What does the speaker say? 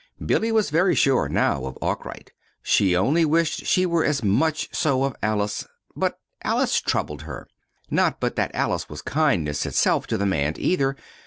Billy was very sure, now, of Arkwright. She only wished she were as much so of Alice. But Alice troubled her. Not but that Alice was kindness itself to the man, either.